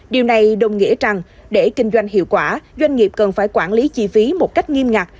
điều này đồng nghĩa rằng để kinh doanh hiệu quả doanh nghiệp cần phải quản lý chi phí một cách nghiêm ngặt